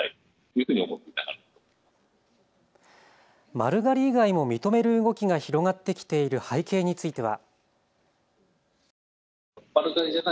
丸刈り以外も認める動きが広がってきている背景については。